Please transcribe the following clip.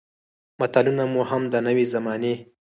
متلونه مو هم د نوې زمانې